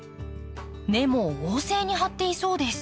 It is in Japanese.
根も旺盛に張っていそうです。